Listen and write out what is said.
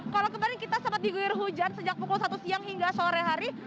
kalau kemarin kita sempat diguyur hujan sejak pukul satu siang hingga sore hari